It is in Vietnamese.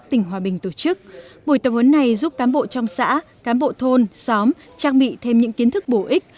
tỉnh hòa bình tổ chức buổi tập huấn này giúp cán bộ trong xã cán bộ thôn xóm trang bị thêm những kiến thức bổ ích